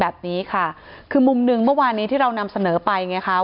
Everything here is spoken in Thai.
แบบนี้ค่ะคือมุมหนึ่งเมื่อวานนี้ที่เรานำเสนอไปไงคะ